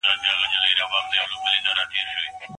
سم نیت کرکه نه پیدا کوي.